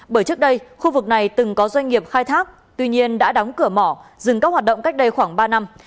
bởi trước đây khu vực này từng có doanh nghiệp khai thác tuy nhiên đã đóng cửa mỏ dừng các hoạt động cách đây khoảng ba năm